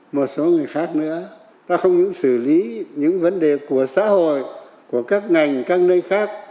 chúng ta không những xử lý những vấn đề của xã hội của các ngành các nơi khác